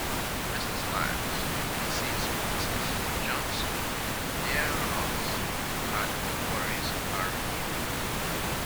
Mrs Lyons sees Mrs Johnstone near her house and her worries are renewed.